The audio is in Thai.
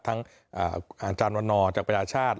ทั้งอาจารย์วันนอจากประชาชน์